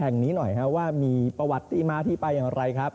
แห่งนี้หน่อยครับว่ามีประวัติที่มาที่ไปอย่างไรครับ